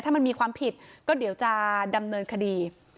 ถ้ามันมีความผิดก็เดี๋ยวจะดำเนินคดี